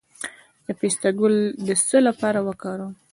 د پسته ګل د څه لپاره وکاروم؟